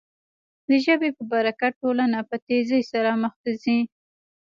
د ژبې په برکت ټولنه په تېزۍ سره مخ ته ځي.